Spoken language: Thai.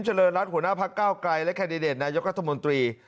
เชิญรัฐหัวหน้าภาคเก้าไกรและแคดดิเดนต์นายกรรธมนตรี